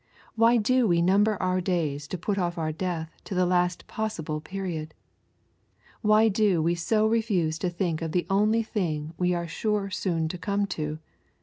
Why do we number our days to put off our death to the last possible period? Why do we so refuse to think of the only thing we are sure soon to come to?